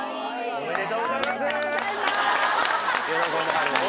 おめでとうございます！